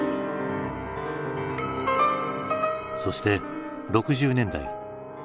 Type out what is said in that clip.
そして６０年代。